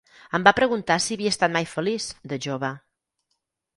Em va preguntar si havia estat mai feliç, de jove.